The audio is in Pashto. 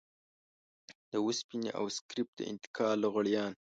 د وسپنې او سکريپ د انتقال لغړيان.